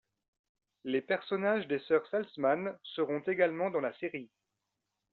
Les personnages des sœurs Saltzman seront également dans la série.